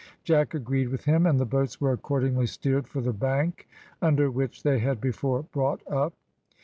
Jack agreed with him, and the boats were accordingly steered for the bank under which they had before brought up.